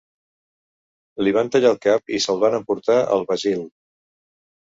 Li van tallar el cap i se'l van emportar al Basil.